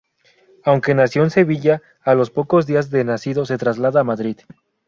Aunque nació en Sevilla a los pocos días de nacido se traslada a Madrid.